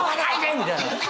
みたいな。